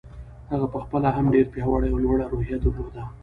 هغه په خپله هم ډېره پياوړې او لوړه روحيه درلوده.